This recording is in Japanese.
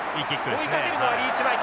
追いかけるのはリーチマイケル。